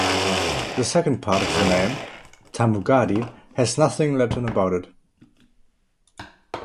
The second part of the name - Thamugadi - "has nothing Latin about it".